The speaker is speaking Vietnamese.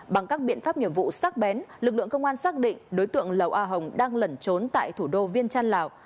bằng các biện pháp nhiệm vụ sắc bén lực lượng công an xác định đối tượng lầu a hồng đang lẩn trốn tại thủ đô viên trăn lào